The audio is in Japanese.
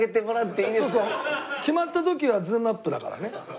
決まった時はズームアップだからね。